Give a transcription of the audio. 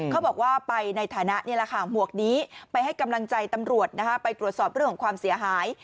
เขาบอกว่าไปในฐานะนี่แหละค่ะหมวกนี้ไปให้กำลังใจตำรวจไปตรวจสอบเรื่องของความเสียหาย